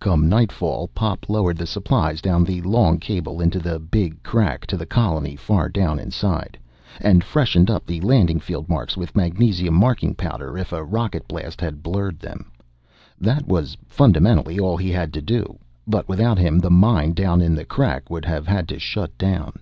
Come nightfall Pop lowered the supplies down the long cable into the Big Crack to the colony far down inside, and freshened up the landing field marks with magnesium marking powder if a rocket blast had blurred them. That was fundamentally all he had to do. But without him the mine down in the Crack would have had to shut down.